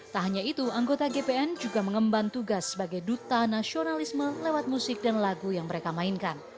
tak hanya itu anggota gpn juga mengemban tugas sebagai duta nasionalisme lewat musik dan lagu yang mereka mainkan